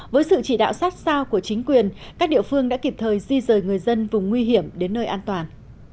với sự chỉ đạo sát sao của chính quyền các địa phương đã kịp thời di rời người dân vùng nguy hiểm đến nơi an toàn